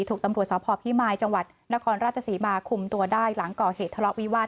ถูกตำรวจสพพิมายจังหวัดนครราชศรีมาคุมตัวได้หลังก่อเหตุทะเลาะวิวาส